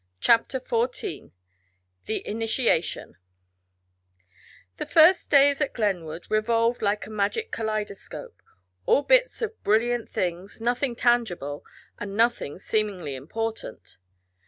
CHAPTER XIV THE INITIATION The first days at Glenwood revolved like a magic kaleidoscope all bits of brilliant things, nothing tangible, and nothing seemingly important.